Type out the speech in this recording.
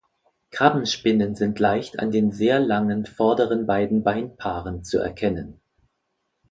Krabbenspinnen sind leicht an den sehr langen vorderen beiden Beinpaaren zu erkennen.